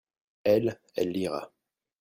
elle, elle lira.